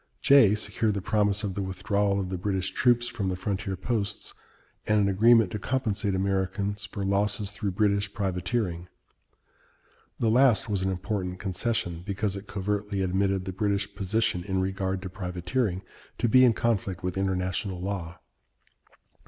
Jay secured the promise of the withdrawal of the British troops from the frontier posts and an agreement to compensate Americans for losses through British privateering. The last was an important concession, because it covertly admitted the British position in regard to privateering to be in conflict with international law.